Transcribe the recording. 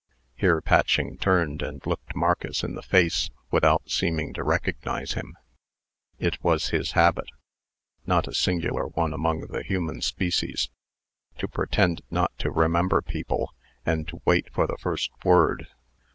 Here Patching turned, and looked Marcus in the face, without seeming to recognize him. It was his habit (not a singular one among the human species) to pretend not to remember people, and to wait for the first word.